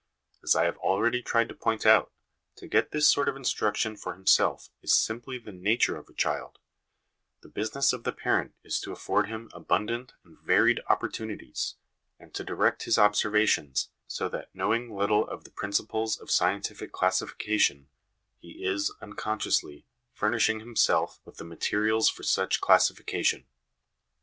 As I have already tried to point out, to get this sort of instruction for himself is simply the nature of a child : the business of the parent is to afford him abundant and varied opportunities, and to direct his observations, so that, knowing little of the principles of scientific classifica tion, he is, unconsciously, furnishing himself with the materials for such classification.